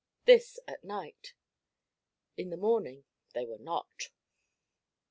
This at night. In the morning they were not.